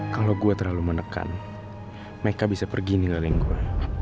kalau gue terlalu menekan meika bisa pergi nih ngaring gue